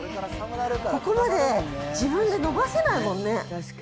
ここまで自分で伸ばせないもんね。